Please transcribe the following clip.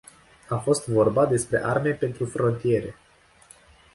A fost vorba despre arme pentru frontiere.